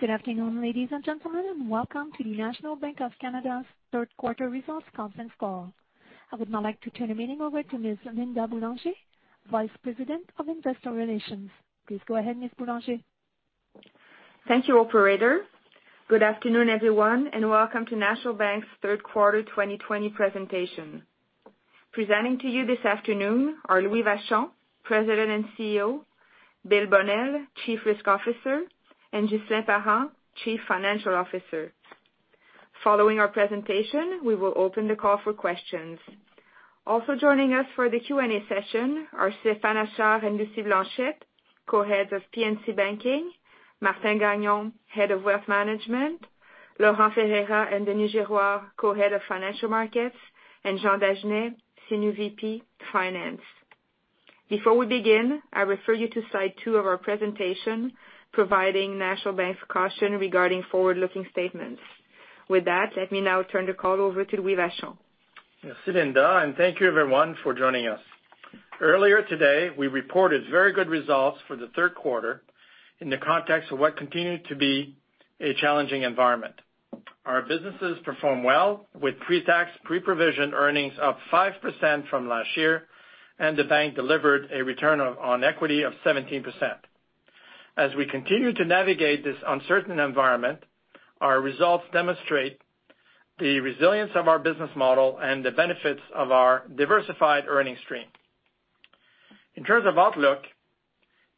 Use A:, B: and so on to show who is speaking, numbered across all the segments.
A: Good afternoon, ladies and gentlemen, and welcome to the National Bank of Canada's Third Quarter Results Conference Call. I would now like to turn the meeting over to Ms. Linda Boulanger, Vice President of Investor Relations. Please go ahead, Ms. Boulanger.
B: Thank you, Operator. Good afternoon, everyone, and Welcome to National Bank's Third Quarter 2020 presentation. Presenting to you this afternoon are Louis Vachon, President and CEO, Bill Bonnell, Chief Risk Officer, and Ghislain Parent, Chief Financial Officer. Following our presentation, we will open the call for questions. Also joining us for the Q&A session are Stéphane Achard and Lucie Blanchet, Co-Heads of P&C Banking, Martin Gagnon, Head of Wealth Management, Laurent Ferreira and Denis Girouard, Co-Heads of Financial Markets, and Jean Dagenais, SVP, Finance. Before we begin, I refer you to slide two of our presentation providing National Bank's caution regarding forward-looking statements. With that, let me now turn the call over to Louis Vachon.
C: Merci, Linda, and thank you, everyone, for joining us. Earlier today, we reported very good results for the third quarter in the context of what continued to be a challenging environment. Our businesses performed well with pre-tax pre-provision earnings up 5% from last year, and the bank delivered a return on equity of 17%. As we continue to navigate this uncertain environment, our results demonstrate the resilience of our business model and the benefits of our diversified earnings stream. In terms of outlook,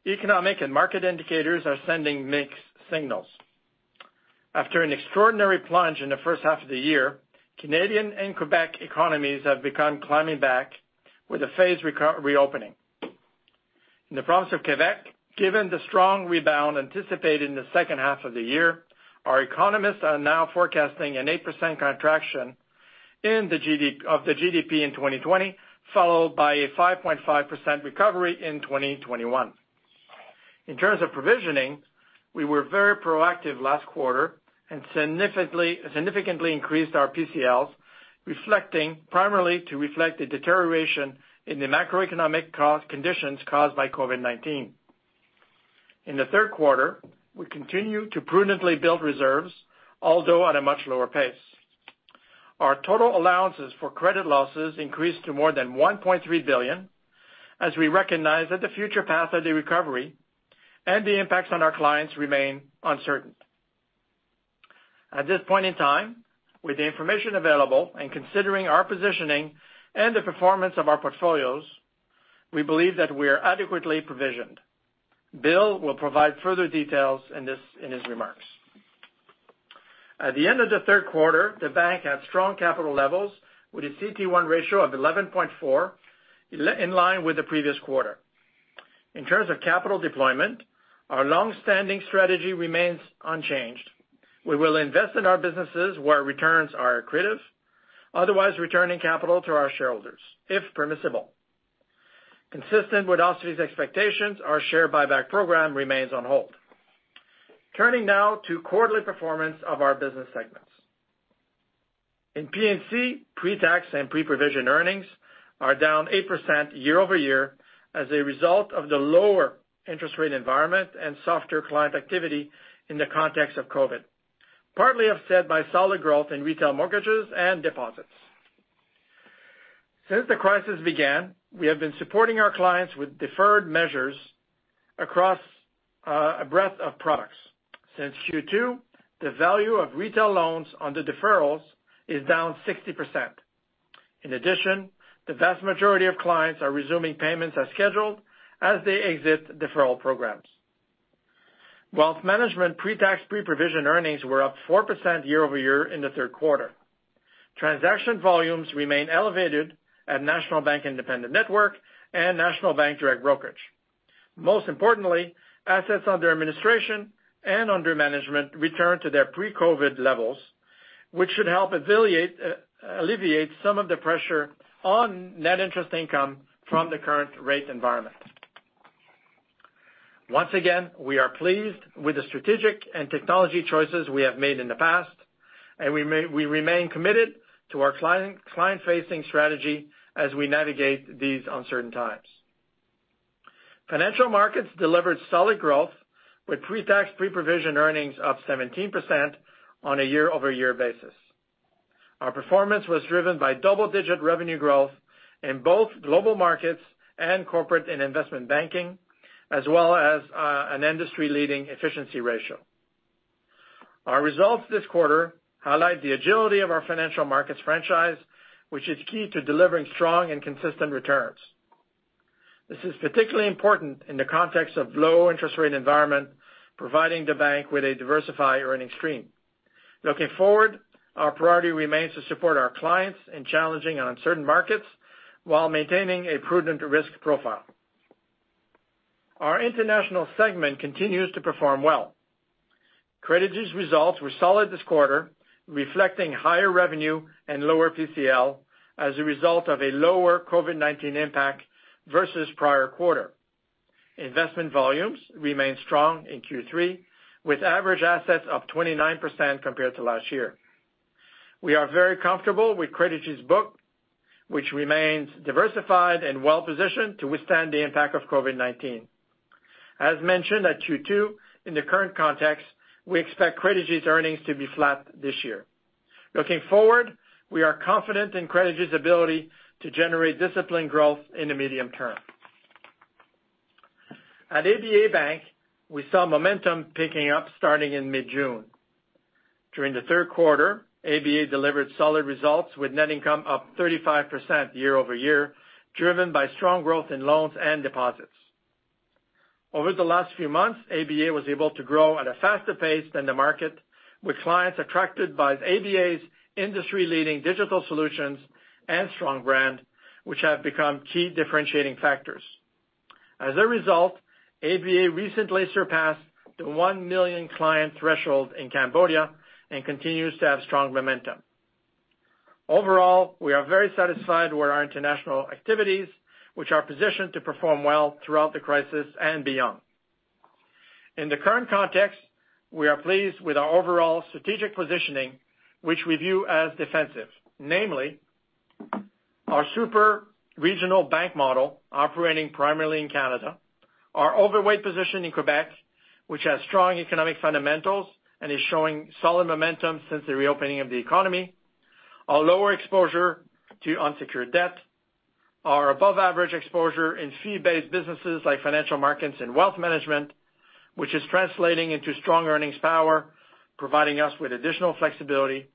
C: economic and market indicators are sending mixed signals. After an extraordinary plunge in the first half of the year, Canadian and Québec economies have begun climbing back with a phased reopening. In the province of Québec, given the strong rebound anticipated in the second half of the year, our economists are now forecasting an 8% contraction of the GDP in 2020, followed by a 5.5% recovery in 2021. In terms of provisioning, we were very proactive last quarter and significantly increased our PCLs, primarily to reflect the deterioration in the macroeconomic conditions caused by COVID-19. In the third quarter, we continue to prudently build reserves, although at a much lower pace. Our total allowances for credit losses increased to more than 1.3 billion, as we recognize that the future path of the recovery and the impacts on our clients remain uncertain. At this point in time, with the information available and considering our positioning and the performance of our portfolios, we believe that we are adequately provisioned. Bill will provide further details in his remarks. At the end of the third quarter, the bank had strong capital levels with a CET1 ratio of 11.4%, in line with the previous quarter. In terms of capital deployment, our long-standing strategy remains unchanged. We will invest in our businesses where returns are attractive, otherwise returning capital to our shareholders, if permissible. Consistent with OSFI's expectations, our share buyback program remains on hold. Turning now to quarterly performance of our business segments. In P&C, pre-tax and pre-provision earnings are down 8% year-over-year as a result of the lower interest rate environment and softer client activity in the context of COVID-19, partly offset by solid growth in retail mortgages and deposits. Since the crisis began, we have been supporting our clients with deferred measures across a breadth of products. Since Q2, the value of retail loans under deferrals is down 60%. In addition, the vast majority of clients are resuming payments as scheduled as they exit deferral programs. Wealth Management pre-tax pre-provision earnings were up 4% year-over-year in the third quarter. Transaction volumes remain elevated at National Bank Independent Network and National Bank Direct Brokerage. Most importantly, assets under administration and under management returned to their pre-COVID levels, which should help alleviate some of the pressure on net interest income from the current rate environment. Once again, we are pleased with the strategic and technology choices we have made in the past, and we remain committed to our client-facing strategy as we navigate these uncertain times. Financial Markets delivered solid growth, with pre-tax pre-provision earnings up 17% on a year-over-year basis. Our performance was driven by double-digit revenue growth in both Global Markets and Corporate and Investment Banking, as well as an industry-leading efficiency ratio. Our results this quarter highlight the agility of our Financial Markets franchise, which is key to delivering strong and consistent returns. This is particularly important in the context of a low-interest-rate environment, providing the bank with a diversified earnings stream. Looking forward, our priority remains to support our clients in challenging and uncertain markets while maintaining a prudent risk profile. Our international segment continues to perform well. Credigy's results were solid this quarter, reflecting higher revenue and lower PCL as a result of a lower COVID-19 impact versus prior quarter. Investment volumes remained strong in Q3, with average assets up 29% compared to last year. We are very comfortable with Credigy's book, which remains diversified and well-positioned to withstand the impact of COVID-19. As mentioned at Q2, in the current context, we expect Credigy's earnings to be flat this year. Looking forward, we are confident in Credigy's ability to generate disciplined growth in the medium term. At ABA Bank, we saw momentum picking up starting in mid-June. During the third quarter, ABA delivered solid results with net income up 35% year-over-year, driven by strong growth in loans and deposits. Over the last few months, ABA was able to grow at a faster pace than the market, with clients attracted by ABA's industry-leading digital solutions and strong brand, which have become key differentiating factors. As a result, ABA recently surpassed the one million client threshold in Cambodia and continues to have strong momentum. Overall, we are very satisfied with our international activities, which are positioned to perform well throughout the crisis and beyond. In the current context, we are pleased with our overall strategic positioning, which we view as defensive, namely our super-regional bank model operating primarily in Canada, our overweight position in Québec, which has strong economic fundamentals and is showing solid momentum since the reopening of the economy, our lower exposure to unsecured debt, our above-average exposure in fee-based businesses like Financial Markets and Wealth Management, which is translating into strong earnings power, providing us with additional flexibility,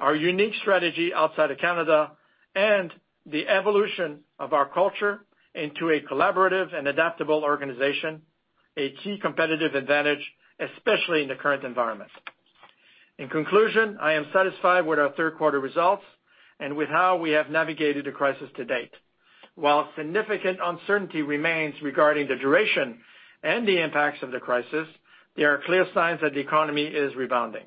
C: our unique strategy outside of Canada, and the evolution of our culture into a collaborative and adaptable organization. A key competitive advantage, especially in the current environment. In conclusion, I am satisfied with our third-quarter results and with how we have navigated the crisis to date. While significant uncertainty remains regarding the duration and the impacts of the crisis, there are clear signs that the economy is rebounding.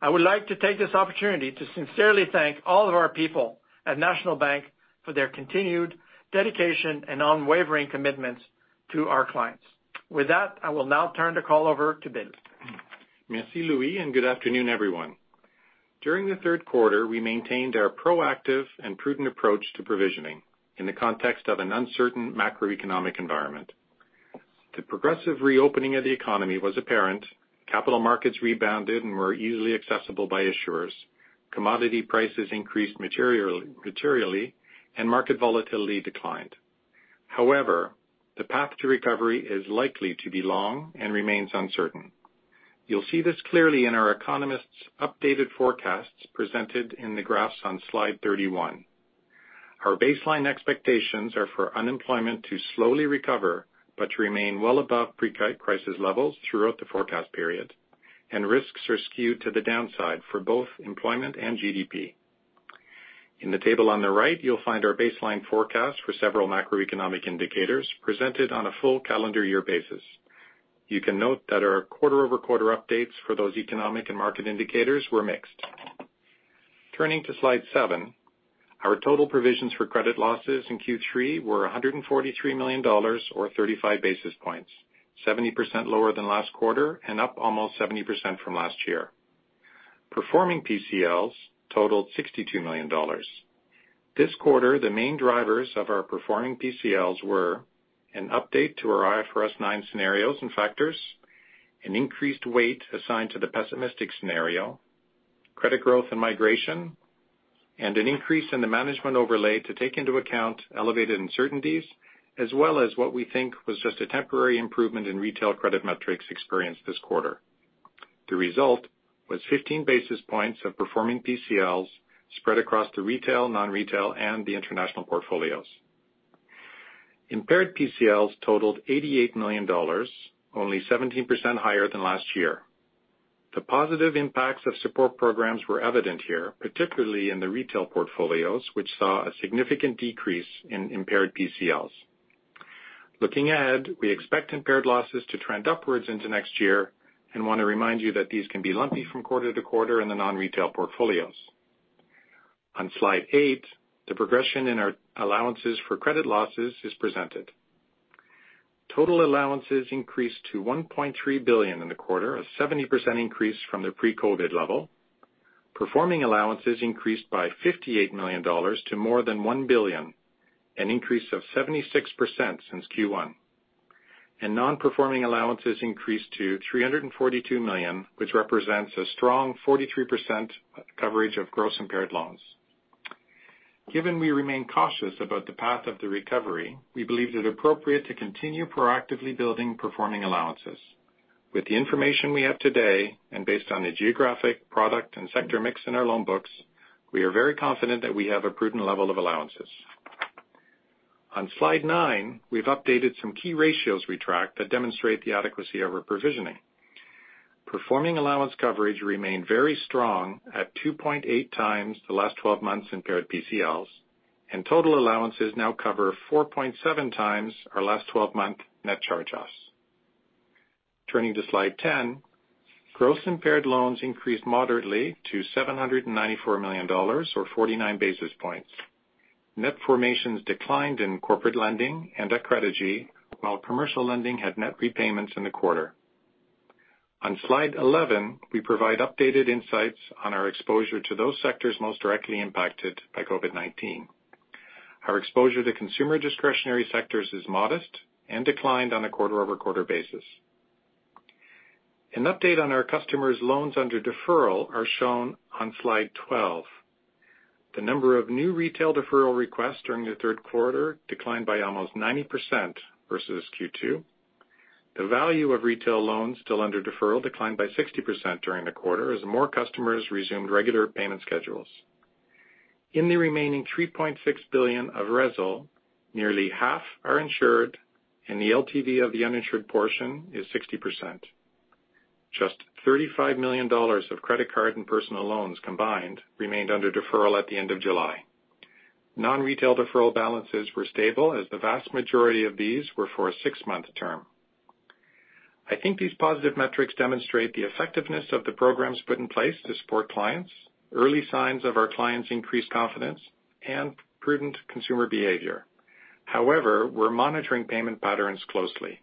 C: I would like to take this opportunity to sincerely thank all of our people at National Bank for their continued dedication and unwavering commitments to our clients. With that, I will now turn the call over to Bill.
D: Merci, Louis, and good afternoon, everyone. During the third quarter, we maintained our proactive and prudent approach to provisioning in the context of an uncertain macroeconomic environment. The progressive reopening of the economy was apparent. Capital markets rebounded and were easily accessible by issuers. Commodity prices increased materially, and market volatility declined. However, the path to recovery is likely to be long and remains uncertain. You'll see this clearly in our economists' updated forecasts presented in the graphs on slide 31. Our baseline expectations are for unemployment to slowly recover but to remain well above pre-crisis levels throughout the forecast period, and risks are skewed to the downside for both employment and GDP. In the table on the right, you'll find our baseline forecast for several macroeconomic indicators presented on a full calendar year basis. You can note that our quarter-over-quarter updates for those economic and market indicators were mixed. Turning to slide seven, our total provisions for credit losses in Q3 were 143 million dollars, or 35 basis points, 70% lower than last quarter and up almost 70% from last year. Performing PCLs totaled 62 million dollars. This quarter, the main drivers of our performing PCLs were an update to our IFRS 9 scenarios and factors, an increased weight assigned to the pessimistic scenario, credit growth and migration, and an increase in the management overlay to take into account elevated uncertainties, as well as what we think was just a temporary improvement in retail credit metrics experienced this quarter. The result was 15 basis points of performing PCLs spread across the retail, non-retail, and the international portfolios. Impaired PCLs totaled 88 million dollars, only 17% higher than last year. The positive impacts of support programs were evident here, particularly in the retail portfolios, which saw a significant decrease in impaired PCLs. Looking ahead, we expect impaired losses to trend upwards into next year and want to remind you that these can be lumpy from quarter to quarter in the non-retail portfolios. On slide eight, the progression in our allowances for credit losses is presented. Total allowances increased to 1.3 billion in the quarter, a 70% increase from the pre-COVID level. Performing allowances increased by 58 million dollars to more than 1 billion, an increase of 76% since Q1, and non-performing allowances increased to 342 million, which represents a strong 43% coverage of gross impaired loans. Given we remain cautious about the path of the recovery, we believe it is appropriate to continue proactively building performing allowances. With the information we have today, and based on the geographic, product, and sector mix in our loan books, we are very confident that we have a prudent level of allowances. On slide 9, we've updated some key ratios we tracked that demonstrate the adequacy of our provisioning. Performing allowance coverage remained very strong at 2.8x the last 12 months' impaired PCLs, and total allowances now cover 4.7x our last 12-month net charge-offs. Turning to slide 10, gross impaired loans increased moderately to 794 million dollars, or 49 basis points. Net formations declined in corporate lending and at Credigy, while commercial lending had net repayments in the quarter. On slide 11, we provide updated insights on our exposure to those sectors most directly impacted by COVID-19. Our exposure to consumer discretionary sectors is modest and declined on a quarter-over-quarter basis. An update on our customers' loans under deferral is shown on slide 12. The number of new retail deferral requests during the third quarter declined by almost 90% versus Q2. The value of retail loans still under deferral declined by 60% during the quarter as more customers resumed regular payment schedules. In the remaining 3.6 billion of RESL, nearly half are insured, and the LTV of the uninsured portion is 60%. Just 35 million dollars of credit card and personal loans combined remained under deferral at the end of July. Non-retail deferral balances were stable as the vast majority of these were for a six-month term. I think these positive metrics demonstrate the effectiveness of the programs put in place to support clients, early signs of our clients' increased confidence, and prudent consumer behavior. However, we're monitoring payment patterns closely.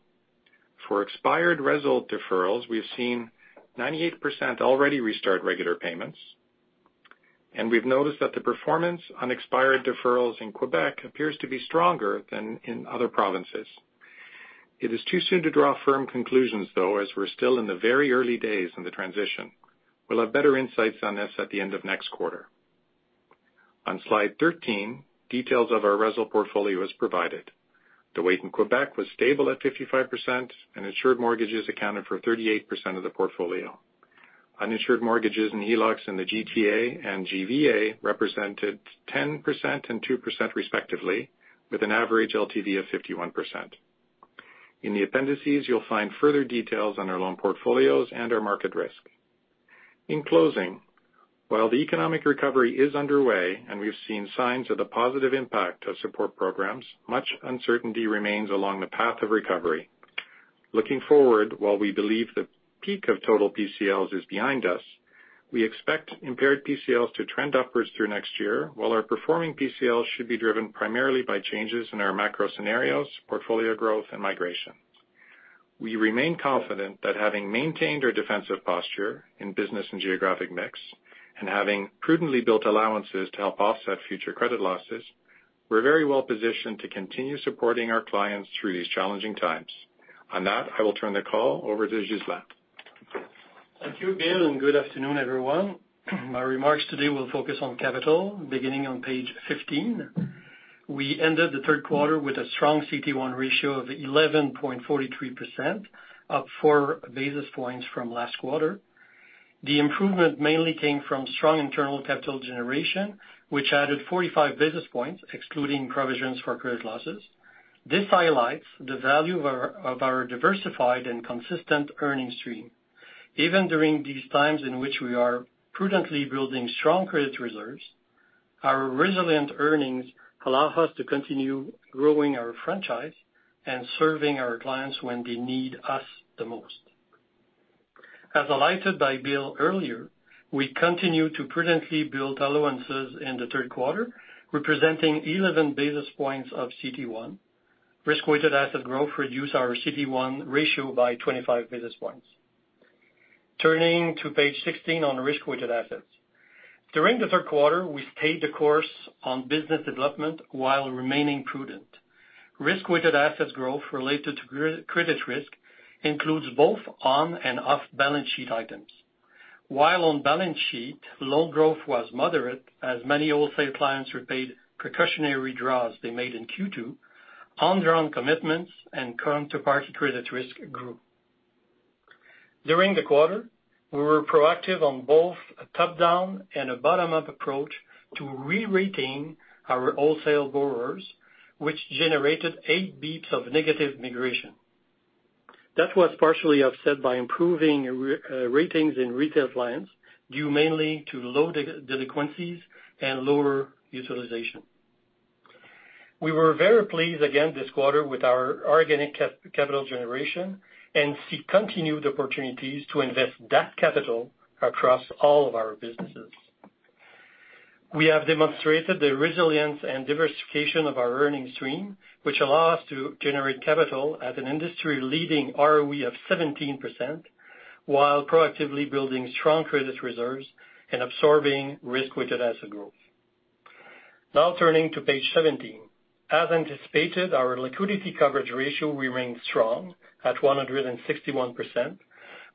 D: For expired RESL deferrals, we've seen 98% already restart regular payments, and we've noticed that the performance on expired deferrals in Québec appears to be stronger than in other provinces. It is too soon to draw firm conclusions, though, as we're still in the very early days in the transition. We'll have better insights on this at the end of next quarter. On slide 13, details of our RESL portfolio are provided. The weight in Québec was stable at 55%, and insured mortgages accounted for 38% of the portfolio. Uninsured mortgages and HELOCs in the GTA and GVA represented 10% and 2% respectively, with an average LTV of 51%. In the appendices, you'll find further details on our loan portfolios and our market risk. In closing, while the economic recovery is underway and we've seen signs of the positive impact of support programs, much uncertainty remains along the path of recovery. Looking forward, while we believe the peak of total PCLs is behind us, we expect impaired PCLs to trend upwards through next year, while our performing PCLs should be driven primarily by changes in our macro scenarios, portfolio growth, and migration. We remain confident that having maintained our defensive posture in business and geographic mix and having prudently built allowances to help offset future credit losses, we're very well positioned to continue supporting our clients through these challenging times. On that, I will turn the call over to Ghislain.
E: Thank you, Bill, and good afternoon, everyone. My remarks today will focus on capital, beginning on page 15. We ended the third quarter with a strong CET1 ratio of 11.43%, up four basis points from last quarter. The improvement mainly came from strong internal capital generation, which added 45 basis points, excluding provisions for credit losses. This highlights the value of our diversified and consistent earnings stream. Even during these times in which we are prudently building strong credit reserves, our resilient earnings allow us to continue growing our franchise and serving our clients when they need us the most. As highlighted by Bill earlier, we continue to prudently build allowances in the third quarter, representing 11 basis points of CET1. Risk-weighted asset growth reduced our CET1 ratio by 25 basis points. Turning to page 16 on risk-weighted assets. During the third quarter, we stayed the course on business development while remaining prudent. Risk-weighted assets growth related to credit risk includes both on and off-balance sheet items. While on balance sheet, loan growth was moderate, as many wholesale clients repaid precautionary draws they made in Q2, undrawn commitments and counterparty credit risk grew. During the quarter, we were proactive on both a top-down and a bottom-up approach to re-rating our wholesale borrowers, which generated eight basis points of negative migration. That was partially offset by improving ratings in retail clients due mainly to loan delinquencies and lower utilization. We were very pleased again this quarter with our organic capital generation and see continued opportunities to invest that capital across all of our businesses. We have demonstrated the resilience and diversification of our earnings stream, which allows us to generate capital at an industry-leading ROE of 17%, while proactively building strong credit reserves and absorbing risk-weighted asset growth. Now turning to page 17. As anticipated, our liquidity coverage ratio remained strong at 161%,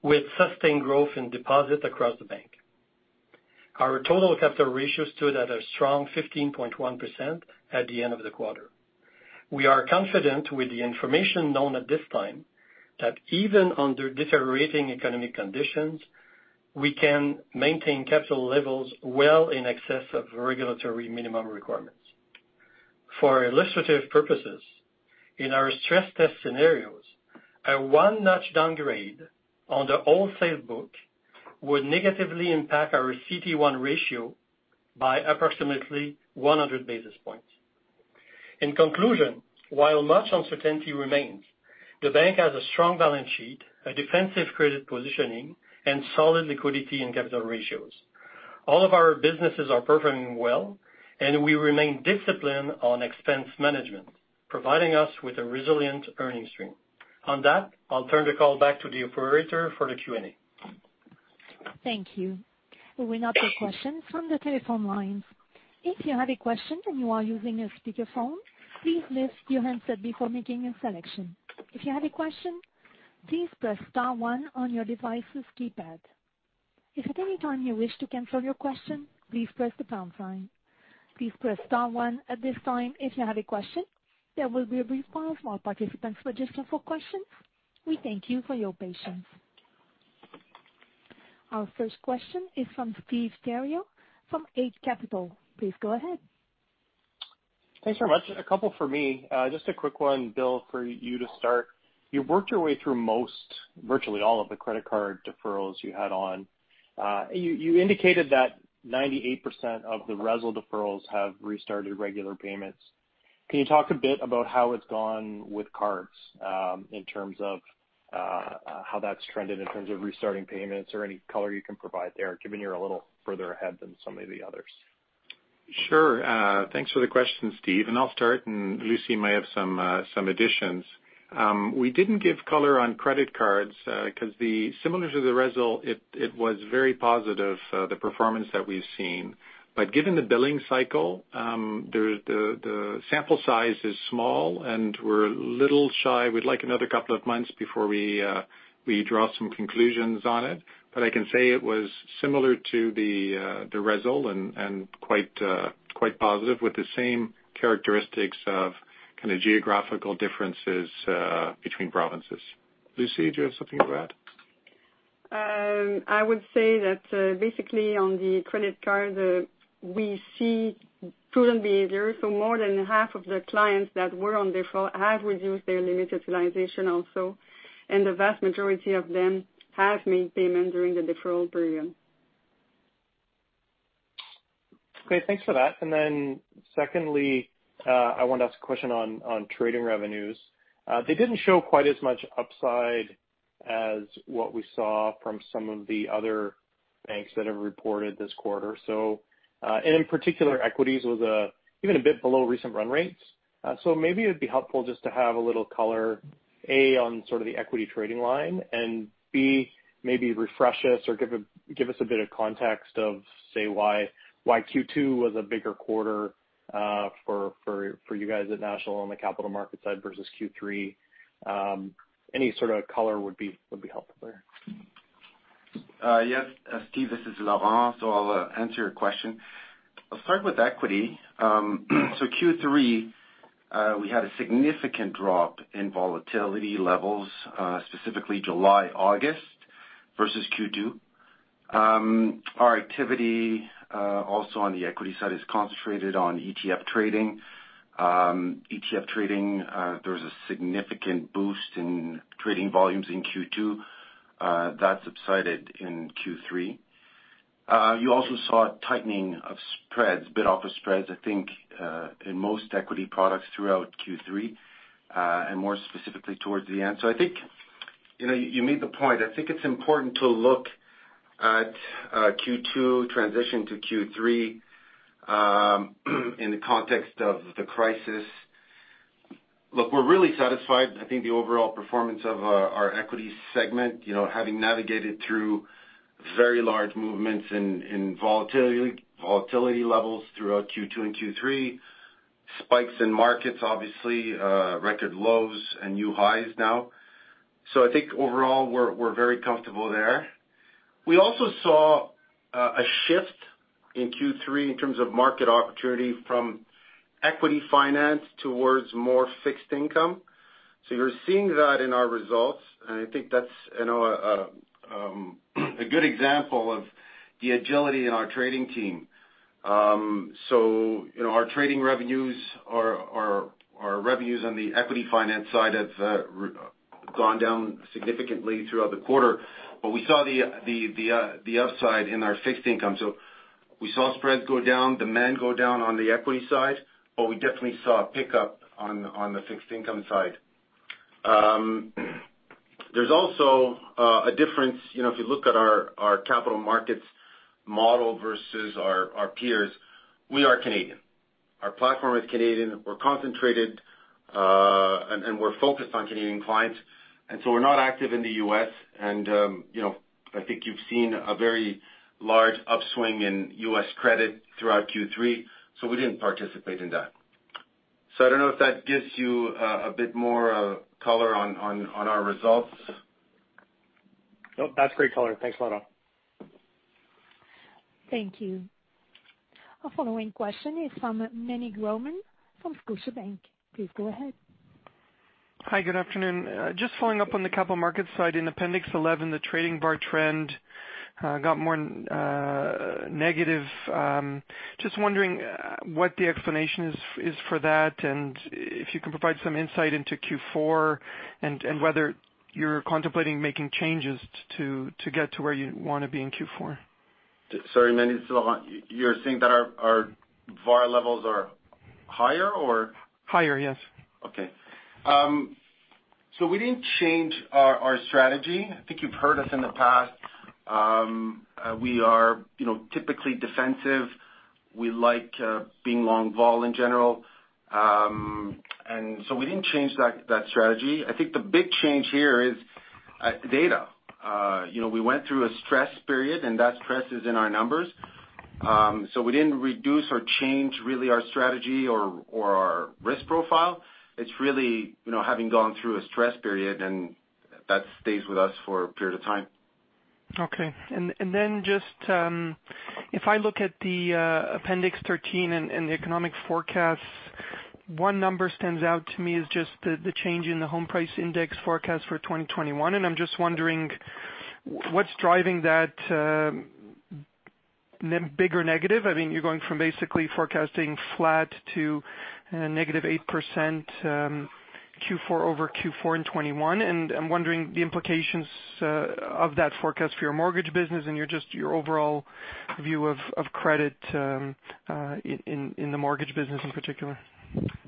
E: with sustained growth in deposits across the bank. Our total capital ratio stood at a strong 15.1% at the end of the quarter. We are confident with the information known at this time that even under deteriorating economic conditions, we can maintain capital levels well in excess of regulatory minimum requirements. For illustrative purposes, in our stress test scenarios, a one-notch downgrade on the wholesale book would negatively impact our CET1 ratio by approximately 100 basis points. In conclusion, while much uncertainty remains, the bank has a strong balance sheet, a defensive credit positioning, and solid liquidity and capital ratios. All of our businesses are performing well, and we remain disciplined on expense management, providing us with a resilient earnings stream. On that, I'll turn the call back to the operator for the Q&A.
A: Thank you. We'll now take questions from the telephone lines. If you have any question, then while using a speakerphone please list your handest before makiing a selection. If you have any question, please press star one on your device's keypad. If at any time you wish to cancel your question, please press the pound sign. Please press star one at this time. If you have a question, there will be a response for all participants. We thank you for your patience. Our first question is from Steve Theriault from Eight Capital. Please go ahead.
F: Thanks very much. A couple for me. Just a quick one, Bill, for you to start. You've worked your way through most, virtually all, of the credit card deferrals you had on. You indicated that 98% of the RESL deferrals have restarted regular payments. Can you talk a bit about how it's gone with cards in terms of how that's trended in terms of restarting payments or any color you can provide there, given you're a little further ahead than some of the others?
D: Sure. Thanks for the question, Steve. And I'll start, and Lucie might have some additions. We didn't give color on credit cards because, similar to the RESL, it was very positive, the performance that we've seen. But given the billing cycle, the sample size is small, and we're a little shy. We'd like another couple of months before we draw some conclusions on it. But I can say it was similar to the RESL and quite positive, with the same characteristics of kind of geographical differences between provinces. Lucie, do you have something to add?
G: I would say that basically, on the credit card, we see prudent behavior. So more than half of the clients that were on default have reduced their limited utilization, also, and the vast majority of them have made payment during the deferral period.
F: Okay. Thanks for that. And then, secondly, I wanted to ask a question on trading revenues. They didn't show quite as much upside as what we saw from some of the other banks that have reported this quarter. And in particular, equities was even a bit below recent run rates. So maybe it'd be helpful just to have a little color, A, on sort of the equity trading line, and B, maybe refresh us or give us a bit of context of, say, why Q2 was a bigger quarter for you guys at National on the capital market side versus Q3. Any sort of color would be helpful there.
H: Yes. Steve, this is Laurent. So I'll answer your question. I'll start with equity. So Q3, we had a significant drop in volatility levels, specifically July, August, versus Q2. Our activity also on the equity side is concentrated on ETF trading. ETF trading, there was a significant boost in trading volumes in Q2. That subsided in Q3. You also saw a tightening of spreads, bid-offer spreads, I think, in most equity products throughout Q3, and more specifically towards the end. So I think you made the point. I think it's important to look at Q2 transition to Q3 in the context of the crisis. Look, we're really satisfied. I think the overall performance of our equity segment, having navigated through very large movements in volatility levels throughout Q2 and Q3, spikes in markets, obviously, record lows, and new highs now. So I think overall, we're very comfortable there. We also saw a shift in Q3 in terms of market opportunity from equity finance towards more fixed income. So you're seeing that in our results. And I think that's a good example of the agility in our trading team. So our trading revenues, our revenues on the equity finance side, have gone down significantly throughout the quarter, but we saw the upside in our fixed income. So we saw spreads go down, demand go down on the equity side, but we definitely saw a pickup on the fixed income side. There's also a difference. If you look at our capital markets model versus our peers, we are Canadian. Our platform is Canadian. We're concentrated, and we're focused on Canadian clients. And so we're not active in the U.S., and I think you've seen a very large upswing in U.S. credit throughout Q3. So we didn't participate in that. So I don't know if that gives you a bit more color on our results.
F: Nope. That's great color. Thanks, Laurent.
A: Thank you. Our following question is from Meny Grauman from Scotiabank. Please go ahead.
I: Hi, good afternoon. Just following up on the capital markets side, in Appendix 11, the trading VaR trend got more negative. Just wondering what the explanation is for that and if you can provide some insight into Q4 and whether you're contemplating making changes to get to where you want to be in Q4.
H: Sorry, Meny. You're saying that our VaR levels are higher, or?
I: Higher, yes.
H: Okay. So we didn't change our strategy. I think you've heard us in the past. We are typically defensive. We like being long-vol in general. And so we didn't change that strategy. I think the big change here is data. We went through a stress period, and that stress is in our numbers. So we didn't reduce or change, really, our strategy or our risk profile. It's really having gone through a stress period, and that stays with us for a period of time.
I: Okay. And then just if I look at the Appendix 13 and the economic forecasts, one number stands out to me is just the change in the home price index forecast for 2021. And I'm just wondering what's driving that bigger negative. I mean, you're going from basically forecasting flat to -8% Q4 over Q4 in 2021. And I'm wondering the implications of that forecast for your mortgage business and your overall view of credit in the mortgage business in particular.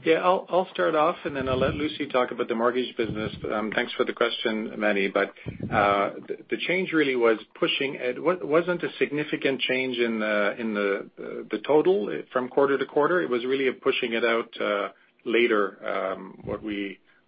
D: Yeah. I'll start off, and then I'll let Lucie talk about the mortgage business. Thanks for the question, Meny. But the change really was pushing it. It wasn't a significant change in the total from quarter to quarter. It was really pushing it out later.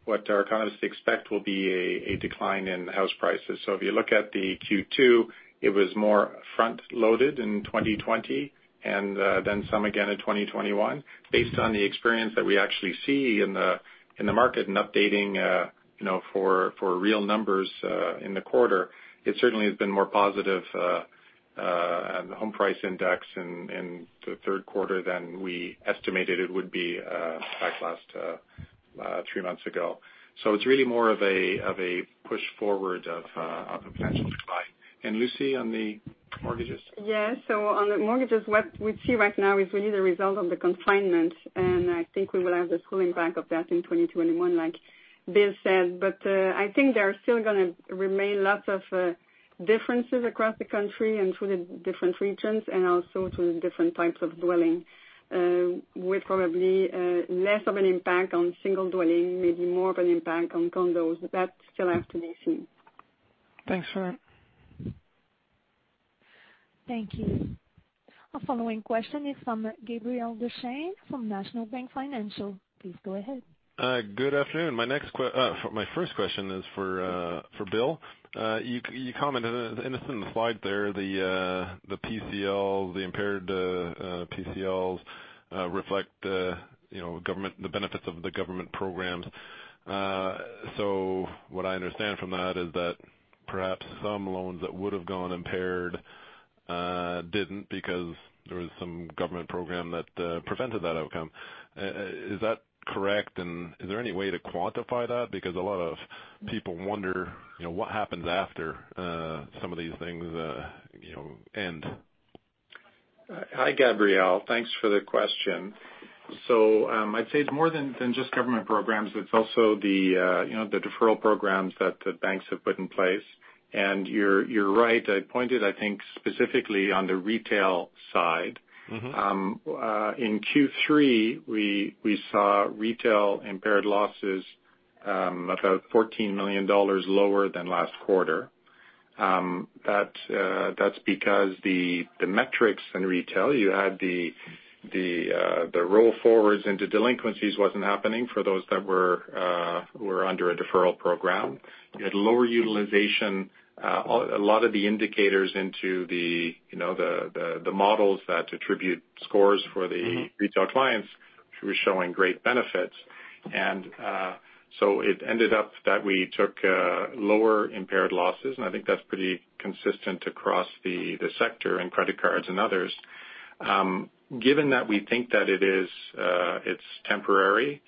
D: What our economists expect will be a decline in house prices. So if you look at the Q2, it was more front-loaded in 2020 and then some again in 2021. Based on the experience that we actually see in the market and updating for real numbers in the quarter, it certainly has been more positive on the home price index in the third quarter than we estimated it would be back last three months ago. So it's really more of a push forward of a potential decline. And Lucie on the mortgages?
G: Yeah, so on the mortgages, what we see right now is really the result of the confinement, and I think we will have the full impact of that in 2021, like Bill said, but I think there are still going to remain lots of differences across the country and through the different regions and also through the different types of dwelling, with probably less of an impact on single dwelling, maybe more of an impact on condos. That still has to be seen.
I: Thanks for that.
A: Thank you. Our following question is from Gabriel Dechaine from National Bank Financial. Please go ahead.
J: Good afternoon. My first question is for Bill. You commented in the slide there, the PCLs, the impaired PCLs reflect the benefits of the government programs. So what I understand from that is that perhaps some loans that would have gone impaired didn't because there was some government program that prevented that outcome. Is that correct? And is there any way to quantify that? Because a lot of people wonder what happens after some of these things end.
D: Hi, Gabriel. Thanks for the question. So I'd say it's more than just government programs. It's also the deferral programs that the banks have put in place. And you're right. I pointed, I think, specifically on the retail side. In Q3, we saw retail impaired losses about 14 million dollars, lower than last quarter. That's because the metrics in retail, you had the roll forwards into delinquencies, wasn't happening for those that were under a deferral program. You had lower utilization. A lot of the indicators into the models that attribute scores for the retail clients were showing great benefits. And so it ended up that we took lower impaired losses. And I think that's pretty consistent across the sector in credit cards and others. Given that we think that it's temporary,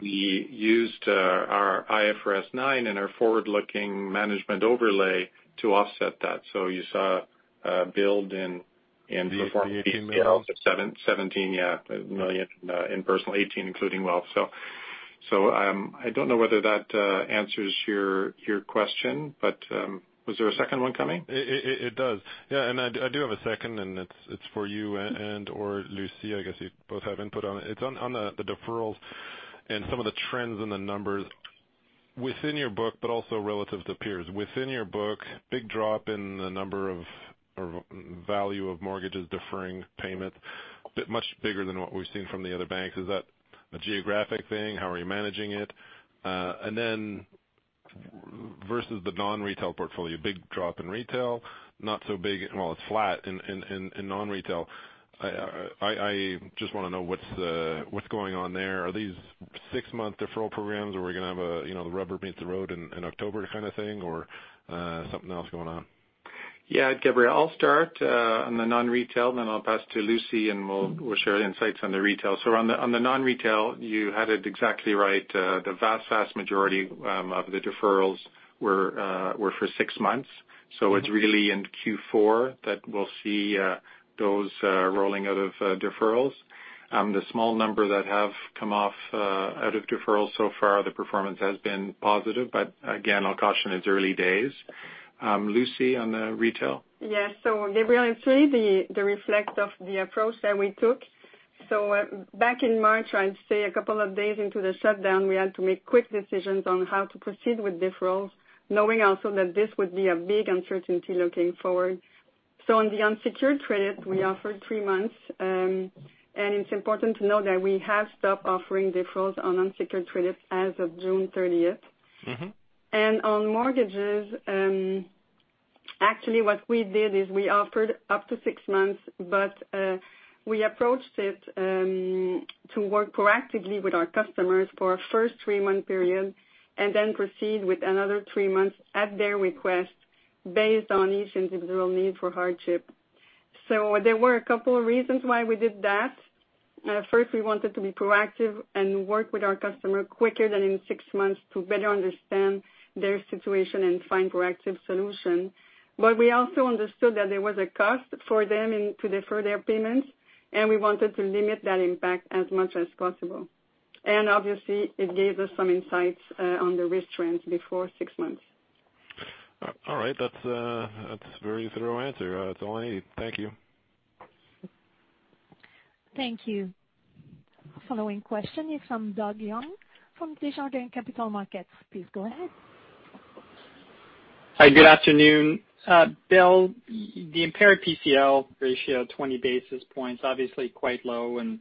D: we used our IFRS 9 and our forward-looking management overlay to offset that. So, you saw a build in performance of 17, yeah, in personal, 18, including wealth. So, I don't know whether that answers your question, but was there a second one coming?
J: It does. Yeah. And I do have a second, and it's for you and or Lucie. I guess you both have input on it. It's on the deferrals and some of the trends in the numbers within your book, but also relative to peers. Within your book, big drop in the number of value of mortgages deferring payments, but much bigger than what we've seen from the other banks. Is that a geographic thing? How are you managing it? And then versus the non-retail portfolio, big drop in retail, not so big. Well, it's flat in non-retail. I just want to know what's going on there. Are these six-month deferral programs, or are we going to have the rubber meets the road in October kind of thing, or something else going on?
D: Yeah, Gabriel, I'll start on the non-retail, then I'll pass to Lucie, and we'll share insights on the retail. So on the non-retail, you had it exactly right. The vast, vast majority of the deferrals were for six months. So it's really in Q4 that we'll see those rolling out of deferrals. The small number that have come off out of deferrals so far, the performance has been positive. But again, I'll caution, it's early days. Lucie on the retail?
G: Yeah. So, Gabriel, it's really the reflection of the approach that we took. So, back in March, I'd say a couple of days into the shutdown, we had to make quick decisions on how to proceed with deferrals, knowing also that this would be a big uncertainty looking forward. So on the unsecured credit, we offered three months. And it's important to note that we have stopped offering deferrals on unsecured credit as of June 30th. And on mortgages, actually, what we did is we offered up to six months, but we approached it to work proactively with our customers for a first three-month period and then proceed with another three months at their request based on each individual need for hardship. So there were a couple of reasons why we did that. First, we wanted to be proactive and work with our customer quicker than in six months to better understand their situation and find proactive solutions. But we also understood that there was a cost for them to defer their payments, and we wanted to limit that impact as much as possible. And obviously, it gave us some insights on the risk trends before six months.
J: All right. That's a very thorough answer. That's all I need. Thank you.
A: Thank you. Our following question is from Doug Young from Desjardins Capital Markets. Please go ahead.
K: Hi, good afternoon. Bill, the impaired PCL ratio of 20 basis points is obviously quite low. And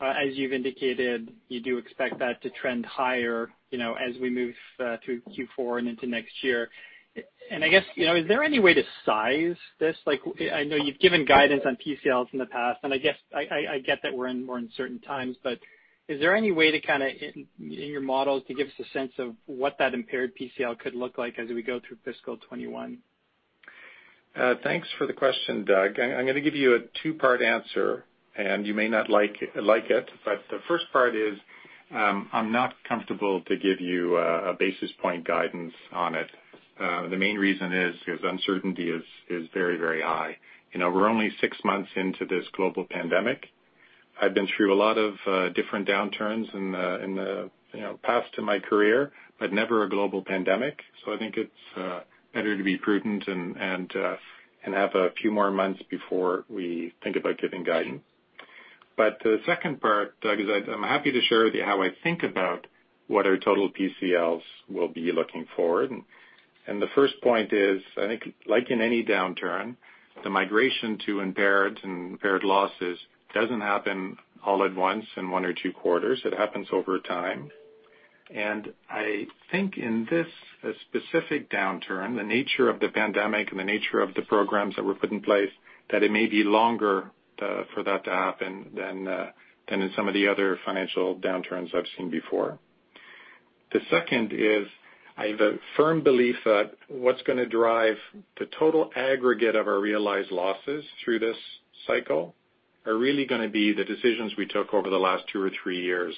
K: as you've indicated, you do expect that to trend higher as we move through Q4 and into next year. And I guess, is there any way to size this? I know you've given guidance on PCLs in the past, and I guess I get that we're in certain times, but is there any way to kind of, in your models, to give us a sense of what that impaired PCL could look like as we go through fiscal 2021?
D: Thanks for the question, Doug. I'm going to give you a two-part answer, and you may not like it. But the first part is I'm not comfortable to give you a basis point guidance on it. The main reason is because uncertainty is very, very high. We're only six months into this global pandemic. I've been through a lot of different downturns in the past of my career, but never a global pandemic. So I think it's better to be prudent and have a few more months before we think about giving guidance. But the second part, Doug, is I'm happy to share with you how I think about what our total PCLs will be looking forward. And the first point is, I think, like in any downturn, the migration to impaired and impaired losses doesn't happen all at once in one or two quarters. It happens over time. And I think in this specific downturn, the nature of the pandemic and the nature of the programs that were put in place, that it may be longer for that to happen than in some of the other financial downturns I've seen before. The second is I have a firm belief that what's going to drive the total aggregate of our realized losses through this cycle are really going to be the decisions we took over the last two or three years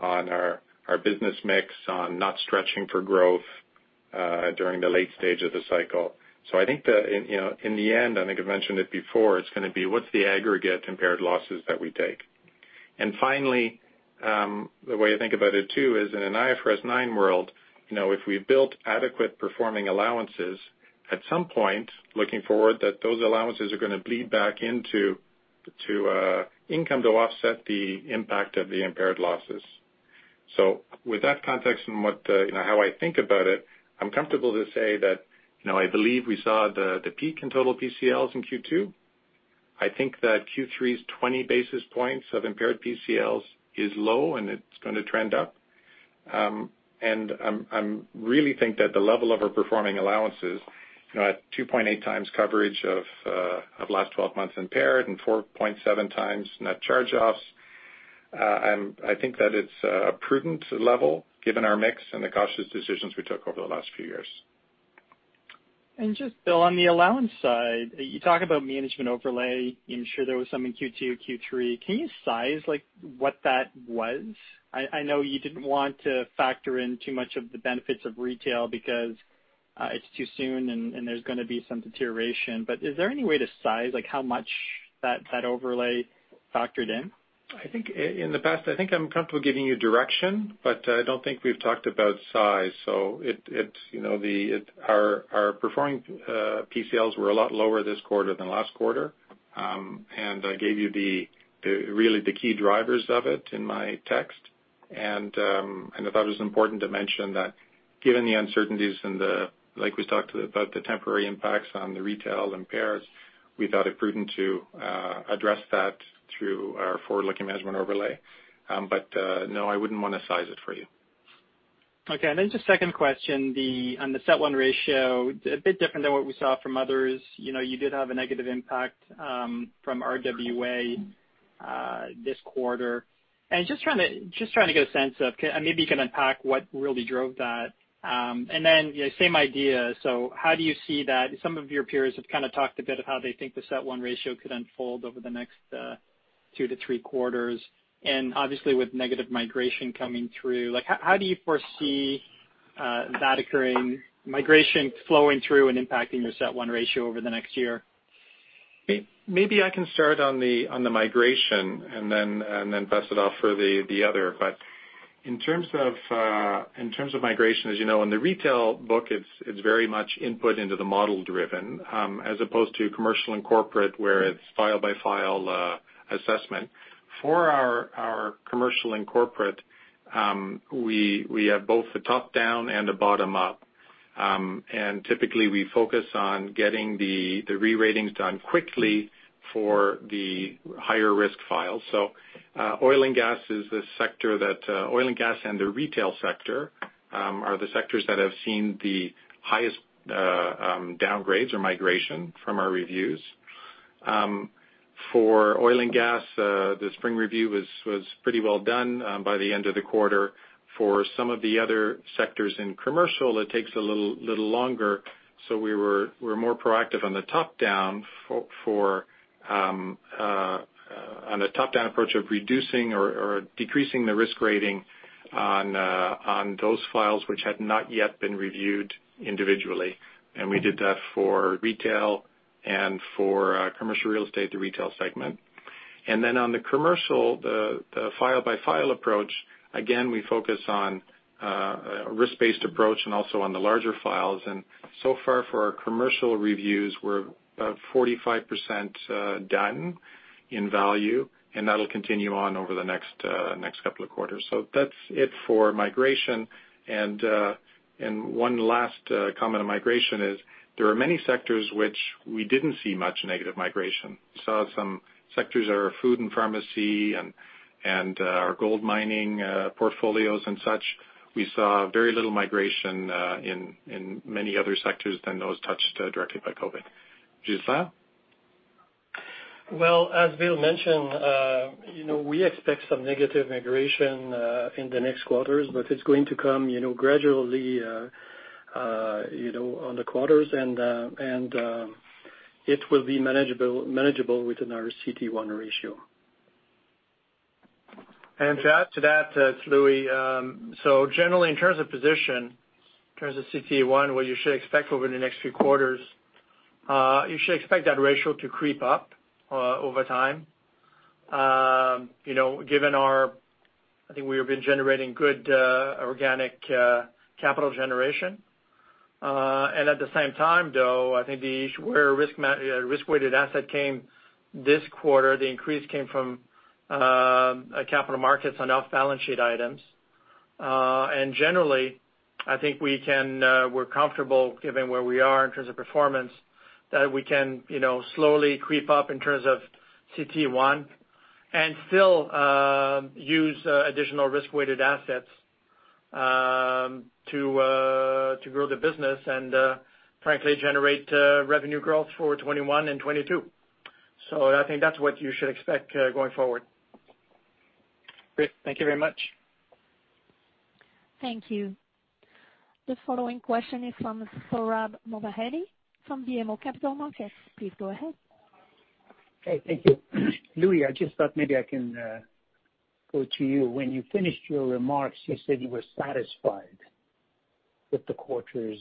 D: on our business mix, on not stretching for growth during the late stage of the cycle. So I think in the end, I think I've mentioned it before, it's going to be what's the aggregate impaired losses that we take. Finally, the way I think about it too is in an IFRS 9 world, if we've built adequate performing allowances, at some point, looking forward, that those allowances are going to bleed back into income to offset the impact of the impaired losses. With that context and how I think about it, I'm comfortable to say that I believe we saw the peak in total PCLs in Q2. I think that Q3's 20 basis points of impaired PCLs is low, and it's going to trend up. I really think that the level of our performing allowances at 2.8x coverage of last 12 months impaired and 4.7x net charge-offs, I think that it's a prudent level given our mix and the cautious decisions we took over the last few years.
K: And just, Bill, on the allowance side, you talk about management overlay. I'm sure there was some in Q2, Q3. Can you size what that was? I know you didn't want to factor in too much of the benefits of retail because it's too soon and there's going to be some deterioration. But is there any way to size how much that overlay factored in?
D: I think in the past, I think I'm comfortable giving you direction, but I don't think we've talked about size, so our performing PCLs were a lot lower this quarter than last quarter. And I gave you really the key drivers of it in my text. And I thought it was important to mention that given the uncertainties and the, like we talked about, the temporary impacts on the retail impairments, we thought it prudent to address that through our forward-looking management overlay, but no, I wouldn't want to size it for you.
K: Okay. And then just second question on the CET1 ratio, a bit different than what we saw from others. You did have a negative impact from RWA this quarter. And just trying to get a sense of, maybe you can unpack what really drove that. And then same idea. So how do you see that? Some of your peers have kind of talked a bit about how they think the CET1 ratio could unfold over the next two to three quarters. And obviously, with negative migration coming through, how do you foresee that occurring, migration flowing through and impacting your CET1 ratio over the next year?
D: Maybe I can start on the migration and then pass it off for the other. But in terms of migration, as you know, in the retail book, it's very much input into the model-driven as opposed to commercial and corporate, where it's file by file assessment. For our commercial and corporate, we have both a top-down and a bottom-up. And typically, we focus on getting the re-ratings done quickly for the higher-risk files. So oil and gas is the sector that oil and gas and the retail sector are the sectors that have seen the highest downgrades or migration from our reviews. For oil and gas, the spring review was pretty well done by the end of the quarter. For some of the other sectors in commercial, it takes a little longer. So we were more proactive on the top-down approach of reducing or decreasing the risk rating on those files which had not yet been reviewed individually. And we did that for retail and for commercial real estate, the retail segment. And then on the commercial, the file-by-file approach, again, we focus on a risk-based approach and also on the larger files. And so far for our commercial reviews, we're about 45% done in value, and that'll continue on over the next couple of quarters. So that's it for migration. And one last comment on migration is there are many sectors which we didn't see much negative migration. We saw some sectors that are food and pharmacy and our gold mining portfolios, and such. We saw very little migration in many other sectors than those touched directly by COVID. Ghislain?
E: As Bill mentioned, we expect some negative migration in the next quarters, but it's going to come gradually on the quarters, and it will be manageable within our CET1 ratio.
C: And to add to that, this is Louis, so generally, in terms of position, in terms of CET1, what you should expect over the next few quarters, you should expect that ratio to creep up over time, given our. I think we have been generating good organic capital generation. And at the same time, though, I think where risk-weighted assets came this quarter, the increase came from capital markets on off-balance sheet items. And generally, I think we're comfortable given where we are in terms of performance that we can slowly creep up in terms of CET1 and still use additional risk-weighted assets to grow the business and frankly, generate revenue growth for 2021 and 2022. So I think that's what you should expect going forward.
K: Great. Thank you very much.
A: Thank you. The following question is from Sohrab Movahedi from BMO Capital Markets. Please go ahead.
L: Hey, thank you. Louis, I just thought maybe I can go to you. When you finished your remarks, you said you were satisfied with the quarter's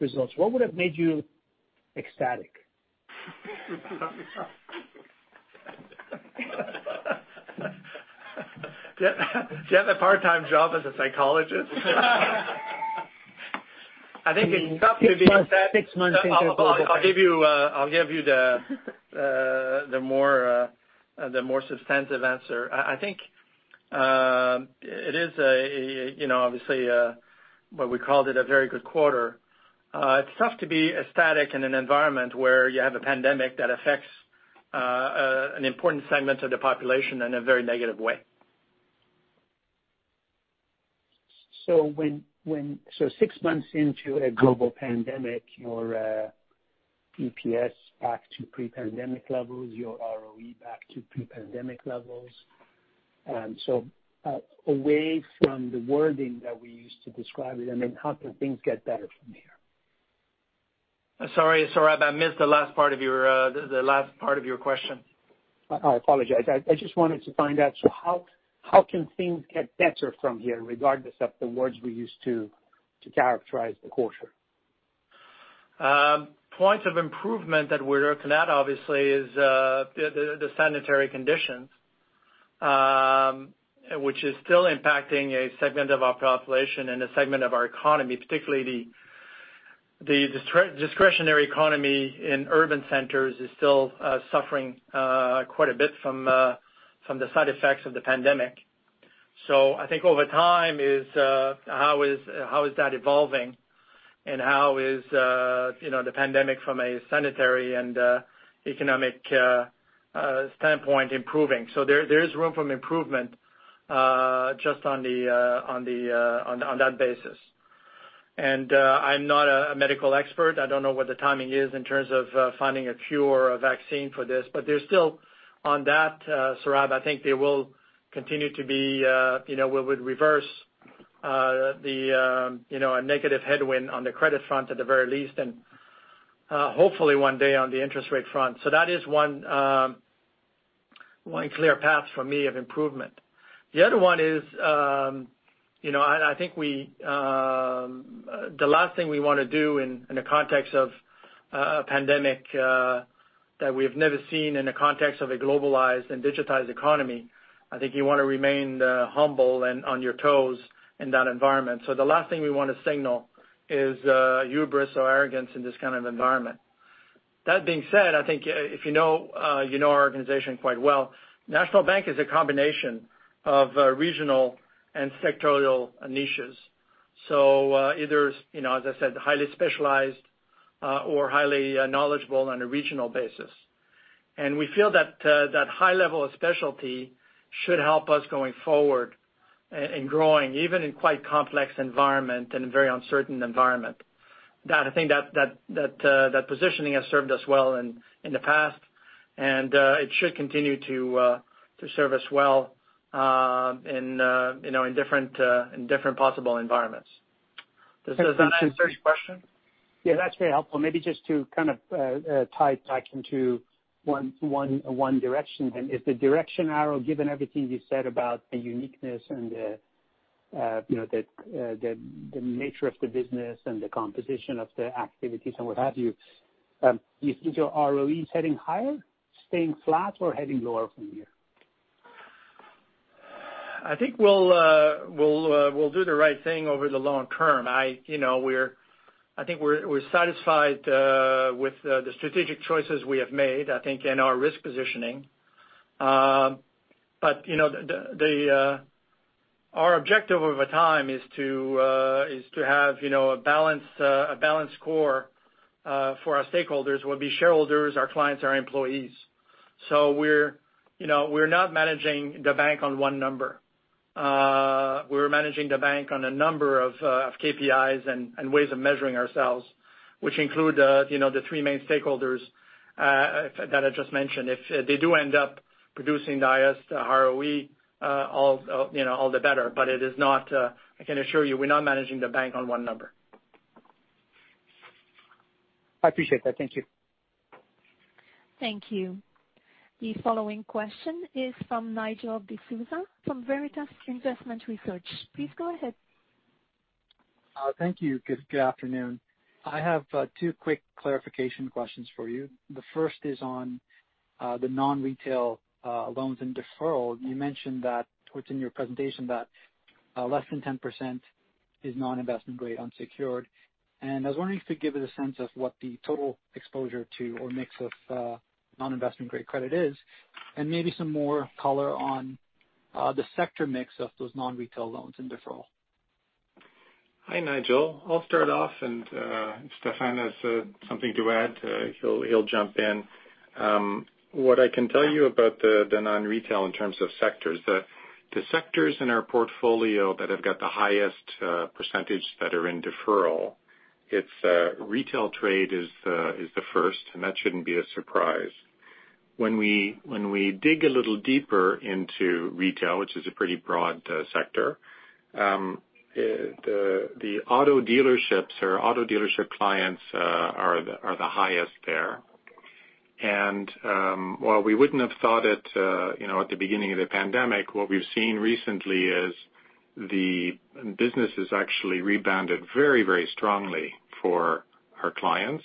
L: results. What would have made you ecstatic?
C: Do you have a part-time job as a psychologist? I think it's tough to be ecstatic. I'll give you the more substantive answer. I think it is obviously what we called it a very good quarter. It's tough to be ecstatic in an environment where you have a pandemic that affects an important segment of the population in a very negative way.
L: Six months into a global pandemic, your EPS back to pre-pandemic levels, your ROE back to pre-pandemic levels. So away from the wording that we used to describe it, I mean, how can things get better from here?
C: Sorry, Sohrab, I missed the last part of your question.
L: I apologize. I just wanted to find out how can things get better from here regardless of the words we used to characterize the quarter?
C: Points of improvement that we're looking at, obviously, is the sanitary conditions, which is still impacting a segment of our population and a segment of our economy, particularly the discretionary economy in urban centers is still suffering quite a bit from the side effects of the pandemic. So I think over time is how is that evolving and how is the pandemic from a sanitary and economic standpoint improving. So there is room for improvement just on that basis. And I'm not a medical expert. I don't know what the timing is in terms of finding a cure or a vaccine for this, but there's still on that, Sohrab. I think there will continue to be we would reverse a negative headwind on the credit front at the very least, and hopefully one day on the interest rate front. So that is one clear path for me of improvement. The other one is, I think, the last thing we want to do in the context of a pandemic that we have never seen in the context of a globalized and digitized economy. I think you want to remain humble and on your toes in that environment. So the last thing we want to signal is hubris or arrogance in this kind of environment. That being said, I think if you know our organization quite well, National Bank is a combination of regional and sectoral niches. So either, as I said, highly specialized or highly knowledgeable on a regional basis. And we feel that that high level of specialty should help us going forward and growing even in quite complex environments and very uncertain environments. I think that positioning has served us well in the past, and it should continue to serve us well in different possible environments. Does that answer your question?
L: Yeah, that's very helpful. Maybe just to kind of tie back into one direction, then is the direction arrow, given everything you said about the uniqueness and the nature of the business and the composition of the activities and what have you, do you think your ROE is heading higher, staying flat, or heading lower from here?
C: I think we'll do the right thing over the long term. I think we're satisfied with the strategic choices we have made, I think, and our risk positioning. But our objective over time is to have a balanced core for our stakeholders, whether it be shareholders, our clients, or our employees. So we're not managing the bank on one number. We're managing the bank on a number of KPIs and ways of measuring ourselves, which include the three main stakeholders that I just mentioned. If they do end up producing the highest ROE, all the better. But it is not. I can assure you, we're not managing the bank on one number.
L: I appreciate that. Thank you.
A: Thank you. The following question is from Nigel D'Souza from Veritas Investment Research. Please go ahead.
M: Thank you. Good afternoon. I have two quick clarification questions for you. The first is on the non-retail loans and deferral. You mentioned that within your presentation that less than 10% is non-investment grade, unsecured, and I was wondering if you could give us a sense of what the total exposure to or mix of non-investment grade credit is, and maybe some more color on the sector mix of those non-retail loans and deferral.
D: Hi, Nigel. I'll start off. And if Stéphane has something to add, he'll jump in. What I can tell you about the non-retail in terms of sectors, the sectors in our portfolio that have got the highest percentage that are in deferral, retail trade is the first, and that shouldn't be a surprise. When we dig a little deeper into retail, which is a pretty broad sector, the auto dealerships or auto dealership clients are the highest there. And while we wouldn't have thought it at the beginning of the pandemic, what we've seen recently is the business has actually rebounded very, very strongly for our clients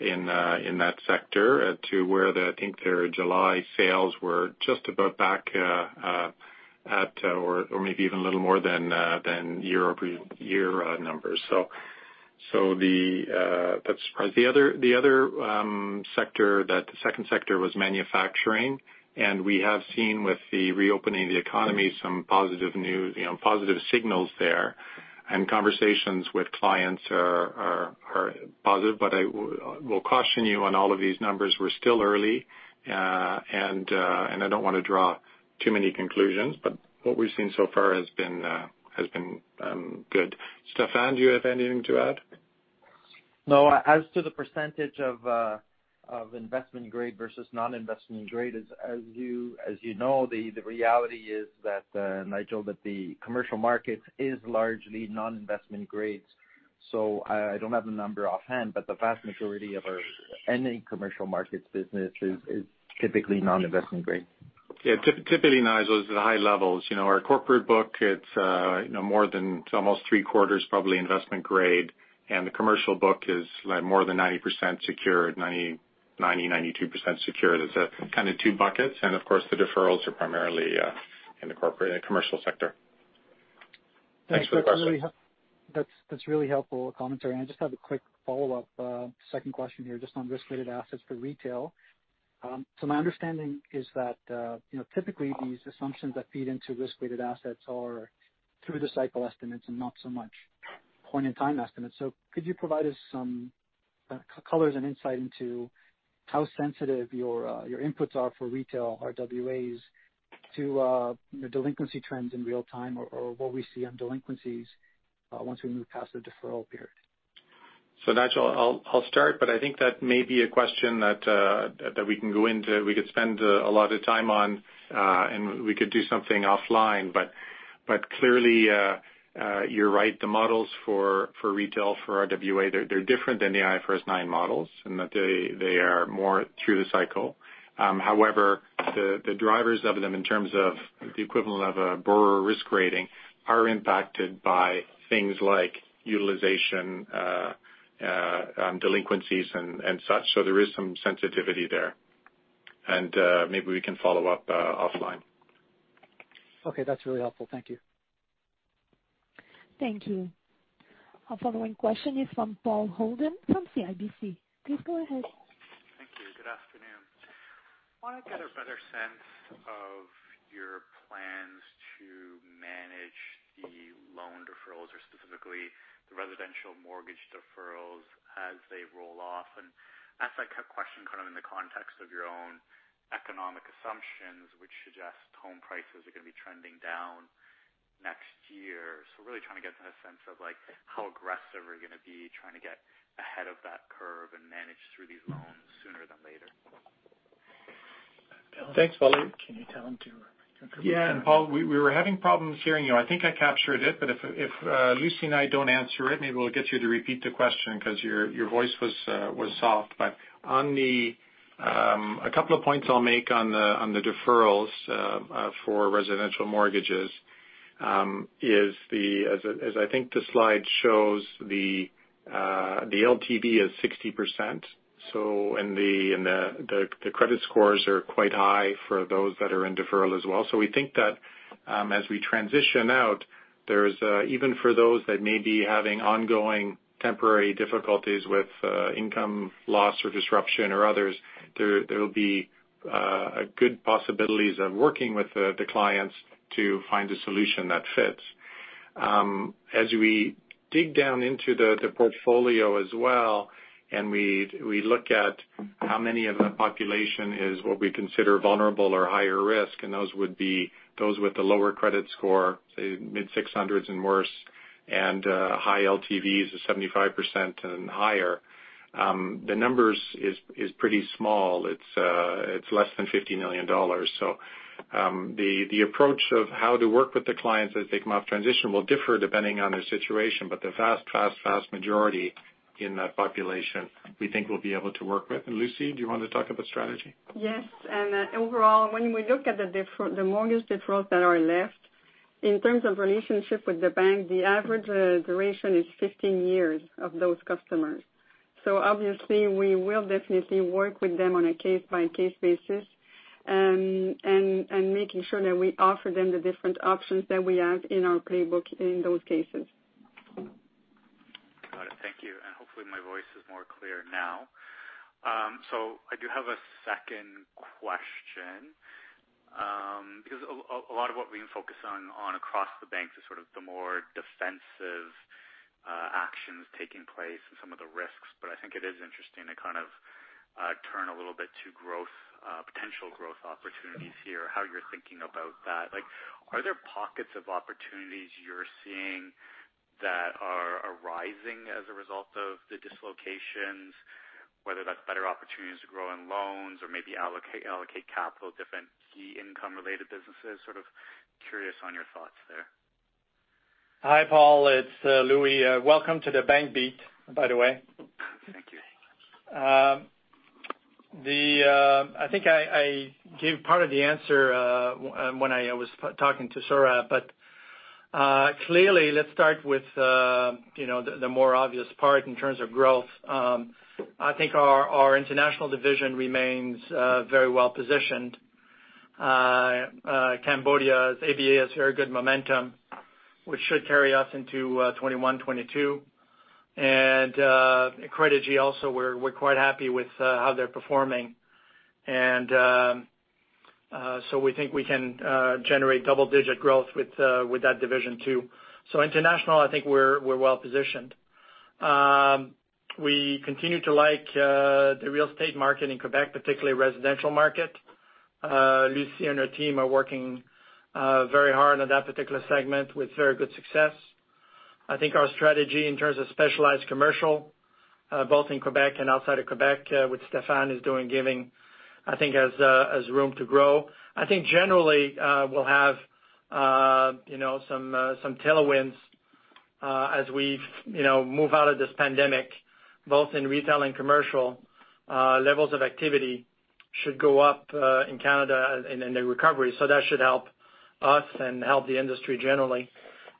D: in that sector to where I think their July sales were just about back at or maybe even a little more than year-over-year numbers. So that's a surprise. The other sector, the second sector, was manufacturing. We have seen with the reopening of the economy some positive signals there. Conversations with clients are positive. I will caution you on all of these numbers. We're still early, and I don't want to draw too many conclusions. What we've seen so far has been good. Stéphane, do you have anything to add?
N: No. As to the percentage of investment grade versus non-investment grade, as you know, the reality is that, Nigel, that the commercial market is largely non-investment grade. So I don't have the number offhand, but the vast majority of any commercial markets business is typically non-investment grade.
D: Yeah. Typically, Nigel, it's the high levels. Our corporate book it's more than almost 3/4 probably investment grade. And the commercial book is more than 90% secured, 90%-92% secured. It's kind of two buckets. And of course, the deferrals are primarily in the commercial sector. Thanks for the question.
M: That's really helpful commentary. And I just have a quick follow-up second question here, just on risk-weighted assets for retail. So my understanding is that typically these assumptions that feed into risk-weighted assets are through the cycle estimates and not so much point-in-time estimates. So, could you provide us some colors and insight into how sensitive your inputs are for retail RWAs to delinquency trends in real time or what we see on delinquencies once we move past the deferral period?
D: So, Nigel, I'll start, but I think that may be a question that we can go into. We could spend a lot of time on. And we could do something offline. But clearly, you're right. The models for retail for RWA, they're different than the IFRS 9 models in that they are more through the cycle. However, the drivers of them in terms of the equivalent of a borrower risk rating are impacted by things like utilization, delinquencies, and such. So there is some sensitivity there. And maybe we can follow up offline.
M: Okay. That's really helpful. Thank you.
A: Thank you. Our following question is from Paul Holden from CIBC. Please go ahead.
O: Thank you. Good afternoon. I want to get a better sense of your plans to manage the loan deferrals or specifically the residential mortgage deferrals as they roll off. And that's a question kind of in the context of your own economic assumptions, which suggests home prices are going to be trending down next year. So really trying to get a sense of how aggressive are you going to be trying to get ahead of that curve and manage through these loans sooner than later?
D: Thanks, Paul.
C: Can you tell him to confirm?
D: Yeah. And Paul, we were having problems hearing you. I think I captured it, but if Lucie and I don't answer it, maybe we'll get you to repeat the question because your voice was soft. But on a couple of points, I'll make on the deferrals for residential mortgages is, as I think the slide shows, the LTV is 60%. And the credit scores are quite high for those that are in deferral as well. So we think that as we transition out, even for those that may be having ongoing temporary difficulties with income loss or disruption, or others, there will be good possibilities of working with the clients to find a solution that fits. As we dig down into the portfolio as well and we look at how many of the population is what we consider vulnerable or higher risk, and those would be those with the lower credit score, say, mid-600s and worse, and high LTVs of 75% and higher, the numbers is pretty small. It's less than 50 million dollars. So the approach of how to work with the clients as they come off transition will differ depending on their situation. But the vast, vast, vast majority in that population, we think we'll be able to work with. And Lucie, do you want to talk about strategy?
G: Yes. And overall, when we look at the mortgage deferrals that are left, in terms of relationship with the bank, the average duration is 15 years of those customers. So obviously, we will definitely work with them on a case-by-case basis and making sure that we offer them the different options that we have in our playbook in those cases.
O: Got it. Thank you. And hopefully, my voice is more clear now. So I do have a second question because a lot of what we've been focusing on across the bank is sort of the more defensive actions taking place and some of the risks. But I think it is interesting to kind of turn a little bit to potential growth opportunities here, how you're thinking about that. Are there pockets of opportunities you're seeing that are rising as a result of the dislocations, whether that's better opportunities to grow in loans or maybe allocate capital to different key income-related businesses? Sort of curious on your thoughts there.
C: Hi, Paul. It's Louis. Welcome to the bank beat, by the way.
O: Thank you.
C: I think I gave part of the answer when I was talking to Sohrab. But clearly, let's start with the more obvious part in terms of growth. I think our international division remains very well positioned. Cambodia's ABA has very good momentum, which should carry us into 2021, 2022. And Credigy also, we're quite happy with how they're performing. And so we think we can generate double-digit growth with that division too. So international, I think we're well positioned. We continue to like the real estate market in Québec, particularly residential market. Lucie and her team are working very hard on that particular segment with very good success. I think our strategy in terms of specialized commercial, both in Québec and outside of Québec, what Stéphane is doing, I think, has room to grow. I think generally, we'll have some tailwinds as we move out of this pandemic, both in retail and commercial. Levels of activity should go up in Canada in the recovery. So that should help us and help the industry generally.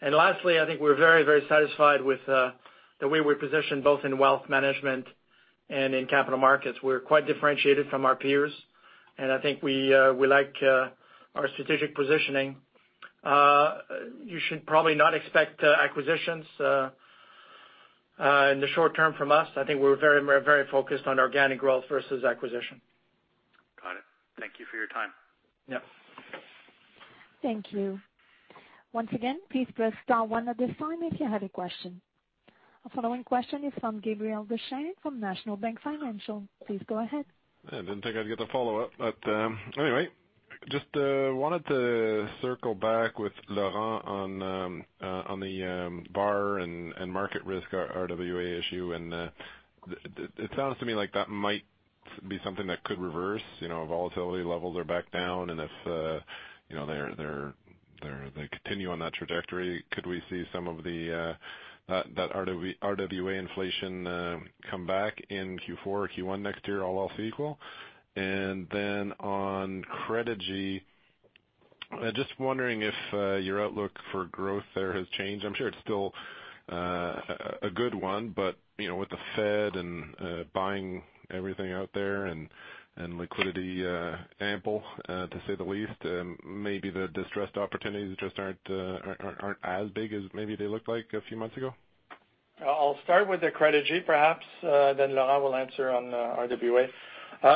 C: And lastly, I think we're very, very satisfied with the way we're positioned both in Wealth Management and in capital markets. We're quite differentiated from our peers. And I think we like our strategic positioning. You should probably not expect acquisitions in the short term from us. I think we're very, very focused on organic growth versus acquisition.
O: Got it. Thank you for your time.
C: Yeah.
A: Thank you. Once again, please press star one at this time if you have a question. Our following question is from Gabriel Dechaine from National Bank Financial. Please go ahead.
J: I didn't think I'd get the follow-up, but anyway, just wanted to circle back with Laurent on the VaR and market risk, RWA issue, and it sounds to me like that might be something that could reverse. Volatility levels are back down, and if they continue on that trajectory, could we see some of that RWA inflation come back in Q4 or Q1 next year all else equal, and then on Credigy, just wondering if your outlook for growth there has changed. I'm sure it's still a good one, but with the Fed and buying everything out there and liquidity ample, to say the least, maybe the distressed opportunities just aren't as big as maybe they looked like a few months ago.
C: I'll start with the Credigy, perhaps. Then Laurent will answer on RWA.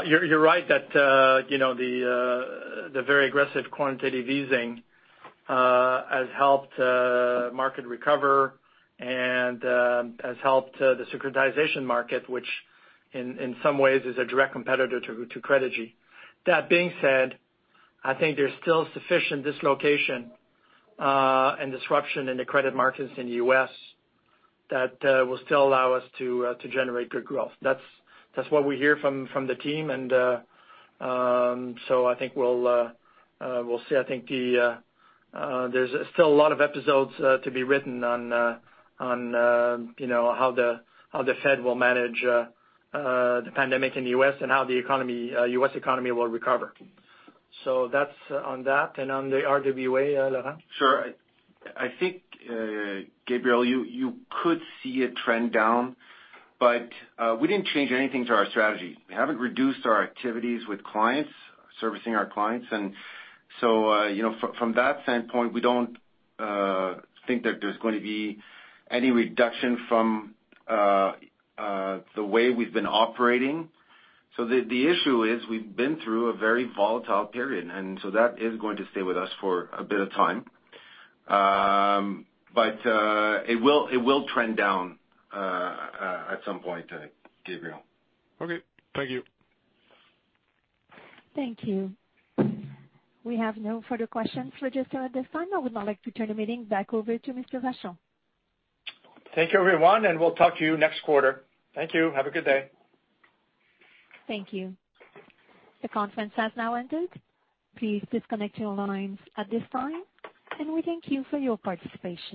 C: You're right that the very aggressive quantitative easing has helped market recover and has helped the securitization market, which in some ways is a direct competitor to Credigy. That being said, I think there's still sufficient dislocation and disruption in the credit markets in the U.S. that will still allow us to generate good growth. That's what we hear from the team. And so I think we'll see. I think there's still a lot of episodes to be written on how the Fed will manage the pandemic in the U.S. and how the U.S. economy will recover. So that's on that. And on the RWA, Laurent?
H: Sure. I think, Gabriel, you could see a trend down. But we didn't change anything to our strategy. We haven't reduced our activities with clients, servicing our clients. And so from that standpoint, we don't think that there's going to be any reduction from the way we've been operating. So the issue is we've been through a very volatile period. And so that is going to stay with us for a bit of time. But it will trend down at some point, Gabriel.
J: Okay. Thank you.
A: Thank you. We have no further questions for registered at this time. I would now like to turn the meeting back over to Mr. Vachon.
C: Thank you, everyone, and we'll talk to you next quarter. Thank you. Have a good day.
A: Thank you. The conference has now ended. Please disconnect your lines at this time. And we thank you for your participation.